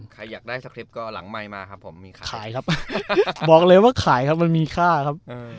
ใครอยากได้สคริปต์ก็หลังไมค์มาครับผมมีขายครับบอกเลยว่าขายครับมันมีค่าครับ